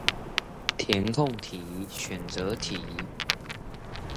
填空題，選擇題